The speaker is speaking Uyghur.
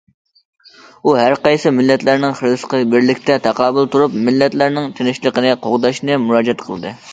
ئۇ ھەر قايسى مىللەتلەرنىڭ خىرىسقا بىرلىكتە تاقابىل تۇرۇپ، مىللەتلەرنىڭ تىنچلىقىنى قوغداشنى مۇراجىئەت قىلدى.